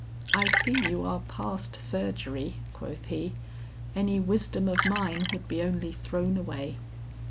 "I see you are past surgery," quoth he, "any wisdom of mine would be only thrown away."